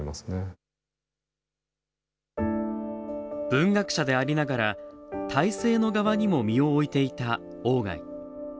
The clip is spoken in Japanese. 文学者でありながら、体制の側にも身を置いていた鴎外。